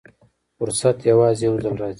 فرصت یوازې یو ځل راځي.